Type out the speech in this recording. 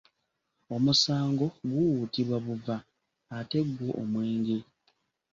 Omusango guwuutibwa buva ate gwo omwenge?